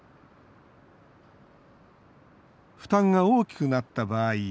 負担が大きくなった場合